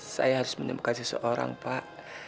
saya harus menemukan seseorang pak